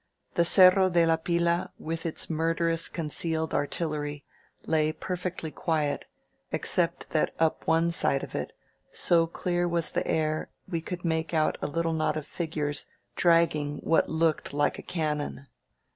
The Cerro de la Pila, with its murderous concealed artillery, lay perfectly quiet, except that up one side of it, so clear was the air, we could make out a little knot of figures dragging what looked like a cannon.